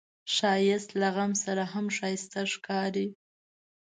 ښایست له غم سره هم ښايسته ښکاري